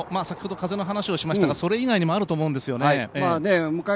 先ほど風の話をしましたがそれ以外もあると思うんですよね。